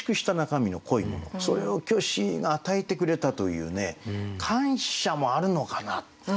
それを虚子が与えてくれたというね感謝もあるのかな。